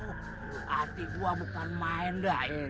hati gua bukan main dah